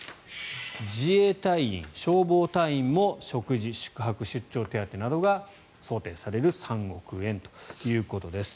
自衛隊員、消防隊員も食事、宿泊、出張手当などが想定される３億円ということです。